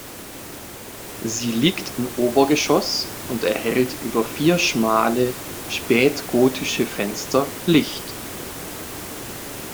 Sie liegt im Obergeschoß und erhält über vier schmale spätgotische Fenster Licht.